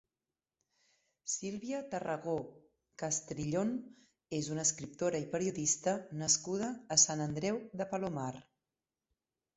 Sílvia Tarragó Castrillón és una escriptora i periodista nascuda a Sant Andreu de Palomar.